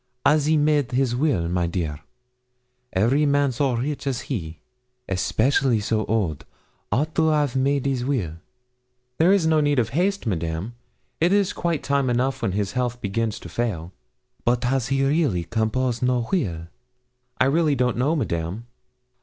'As he made his will, my dear? Every man so rich as he, especially so old, aught to 'av made his will.' 'There is no need of haste, Madame; it is quite time enough when his health begins to fail.' 'But has he really compose no will?' 'I really don't know, Madame.'